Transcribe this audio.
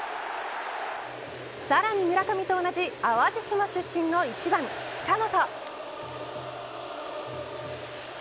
さらに村上と同じ淡路島出身の１番、近本。